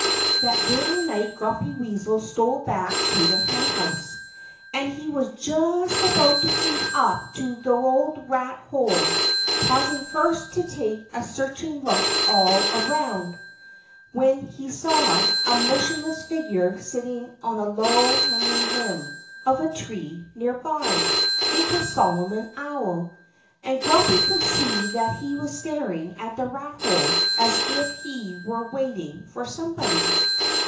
That very night Grumpy Weasel stole back to the henhouse. And he was just about to creep up to the old rat hole, pausing first to take a searching look all around, when he saw a motionless figure sitting on a low hanging limb of a tree near by. It was Solomon Owl. And Grumpy could see that he was staring at the rat hole as if he were waiting for somebody.